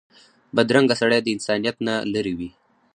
بدرنګه سړی د انسانیت نه لرې وي